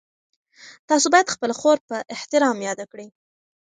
تاسو باید خپله خور په احترام یاده کړئ.